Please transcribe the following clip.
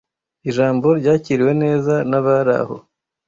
Ijambo ryakiriwe neza nabari aho.